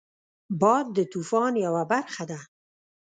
باد د طوفان یو برخه ده